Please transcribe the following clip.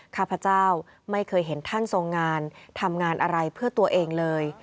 ข้าพเจ้าไม่เคยเห็นท่านทรงงานทำงานอะไรเพื่อตัวเองเลย